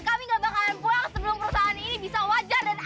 kami gak bakalan pulang sebelum perusahaan ini bisa wajar dan apa